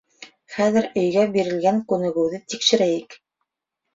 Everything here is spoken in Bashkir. Хәҙер өйгә бирелгән күнегеүҙе тикшерәйек